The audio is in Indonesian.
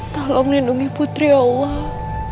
tolong lindungi putri ya allah